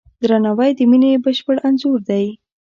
درناوی د مینې بشپړ انځور دی.